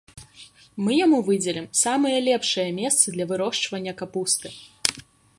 Мы яму выдзелім самыя лепшыя месцы для вырошчвання капусты.